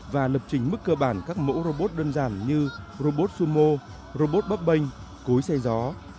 và lập trình mức cơ bản các mẫu robot đơn giản như robot sumo robot bắp bênh cúi xe gió